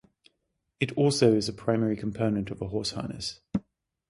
It also is a primary component of a horse harness.